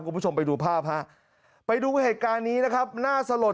ครับคุณผู้ชมไปดูภาพดูเหตุการณ์นี้นะครับน่าสะรอด